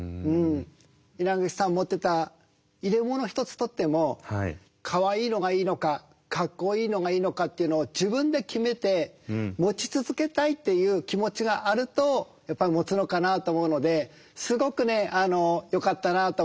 稲垣さん持ってた入れ物一つとってもかわいいのがいいのかかっこいいのがいいのかっていうのを自分で決めて持ち続けたいっていう気持ちがあるとやっぱり持つのかなと思うのですごくねよかったなと思ってます。